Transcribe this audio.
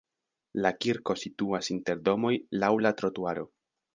La kirko situas inter domoj laŭ la trotuaro.